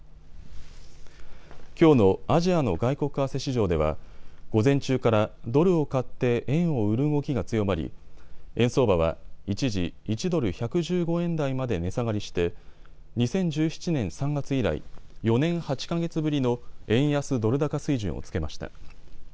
きょうのアジアの外国為替市場では午前中からドルを買って円を売る動きが強まり円相場は一時、１ドル１１５円台まで値下がりして２０１７年３月以来、４年８か月ぶりの円安ドル高水準をつけました。